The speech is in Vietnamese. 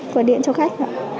gọi điện cho khách